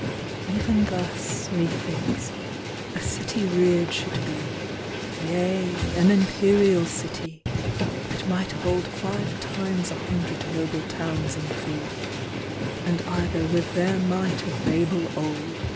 Jl/VEN thus, methinks, a city reared should be, Yea, an imi^erial city, that might hold Five times a hundred noble towns in fee, And either with their might of Babel old.